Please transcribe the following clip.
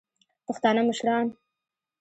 پښتانه مشران